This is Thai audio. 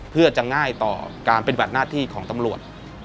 เพื่อจะง่ายต่อการปฏิบัติหน้าที่ของตำรวจ